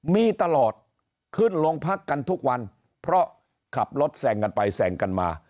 มีตลอดขึ้นโรงพักกันทุกวันเพราะขับรถแสงกันไปแสงกันมา